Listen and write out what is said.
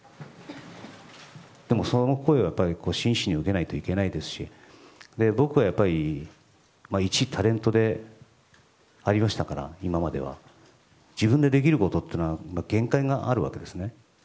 でも、その声は真摯に受けないといけないですし僕は今までは一タレントでありましたから自分でできることというのは限界があるわけですね。